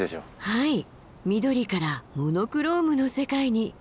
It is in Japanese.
はい緑からモノクロームの世界に。